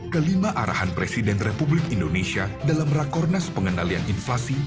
kelima arahan presiden republik indonesia dalam rakornas pengendalian inflasi